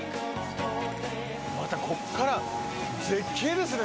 また、ここから絶景ですね。